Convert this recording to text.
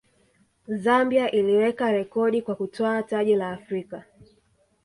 zambia iliweka rekodi kwa kutwaa taji la afrika